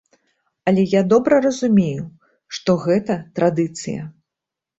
Але я добра разумею, што гэта традыцыя.